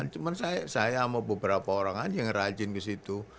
cuma saya sama beberapa orang aja yang rajin ke situ